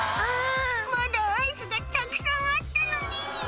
「まだアイスがたくさんあったのに！」